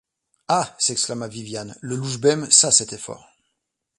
Ah ! s’exclama Viviane, le louchébem, ça c’était fort.